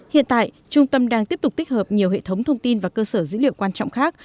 hiện tại trung tâm đang tiếp tục tích hợp nhiều hệ thống thông tin và cơ sở dữ liệu quan trọng khác